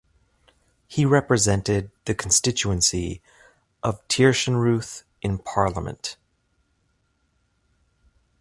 He represented the constituency of Tirschenreuth in parliament.